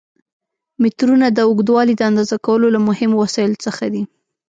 مترونه د اوږدوالي د اندازه کولو له مهمو وسایلو څخه دي.